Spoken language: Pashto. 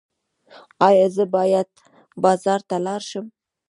ایا زه باید بازار ته لاړ شم؟